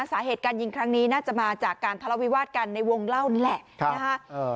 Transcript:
สาเหตุการยิงครั้งนี้น่าจะมาจากการทะเลาวิวาสกันในวงเล่านั่นแหละนะฮะ